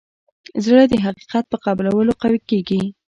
زړه د حقیقت په قبلولو قوي کېږي.